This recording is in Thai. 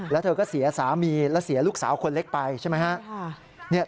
แล้วเธอก็เสียสามีและเสียลูกสาวคนเล็กไปใช่ไหมครับ